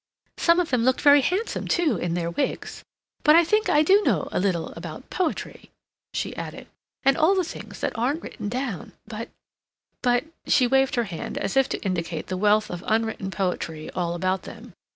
Some of them looked very handsome, too, in their wigs. But I think I do know a little about poetry," she added. "And all the things that aren't written down, but—but—" She waved her hand, as if to indicate the wealth of unwritten poetry all about them.